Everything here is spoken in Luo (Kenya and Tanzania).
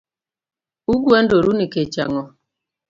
Ugwandoru nikech ang’o?